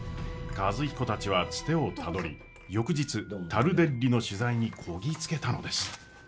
和彦たちはツテをたどり翌日タルデッリの取材にこぎ着けたのです。